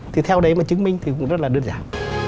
thì theo đấy mà chứng minh thì cũng rất là đơn giản